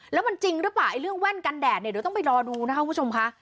แล้วมันจริงหรือเปล่าไอ้เรื่องแว่นกันแดดเนี่ยเดี๋ยวต้องไปรอดูนะคะคุณผู้ชมค่ะ